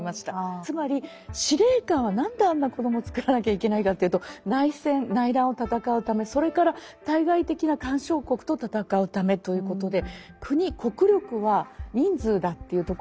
つまり司令官は何であんな子供をつくらなきゃいけないかっていうと内戦・内乱を戦うためそれから対外的な干渉国と戦うためということで国国力は人数だというとこでくるわけですよね。